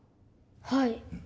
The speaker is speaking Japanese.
はい。